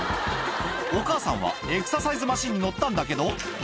お母さんはエクササイズマシンに乗ったんだけど。